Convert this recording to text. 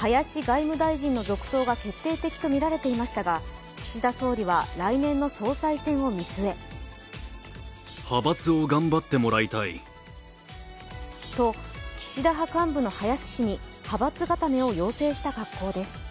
林外務大臣の続投が決定的とみられていましたが、岸田総理は来年の総裁選を見据えと岸田派幹部の林氏に派閥固めを要請した格好です。